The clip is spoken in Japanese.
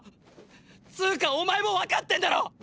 ⁉つーかお前もわかってんだろ！！